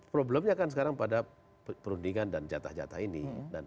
problemnya kan sekarang pada perundingan dan jatah jatah ini